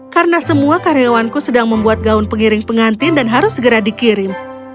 karena semua karyawanku sedang membuat gaun pengiring pengantin dan harus segera dikirim